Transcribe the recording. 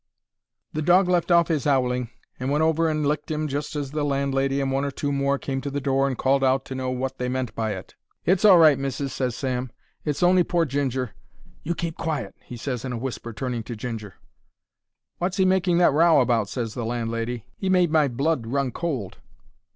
The dog left off his 'owling, and went over and licked 'im just as the landlady and one or two more came to the door and called out to know wot they meant by it. "It's all right, missis," ses Sam. "It's on'y pore Ginger. You keep quiet," he ses in a whisper, turning to Ginger. "Wot's he making that row about?" ses the landlady. "He made my blood run cold."